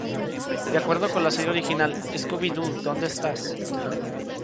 De acuerdo con la serie original "Scooby-Doo ¿dónde estás?